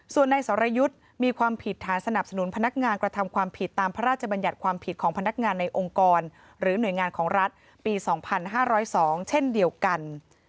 ส่วนในสรยุทธ์มีความผิดฐานสนับสนุนพนักงานกระทำความผิดตามพระราชบัญญัติความผิดของพนักงานในองค์กรหรือหน่วยงานของรัฐปี๒๕๐๒เช่นเดียวกัน